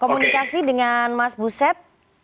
komunikasi dengan mas buset